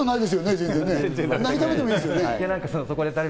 何食べてもいいんですよね？